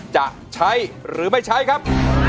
จะใช้หรือไม่ใช้ครับ